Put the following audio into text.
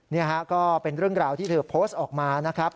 นี่ฮะก็เป็นเรื่องราวที่เธอโพสต์ออกมานะครับ